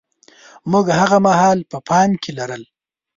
موږ هاغه مهال په پام کې لرل.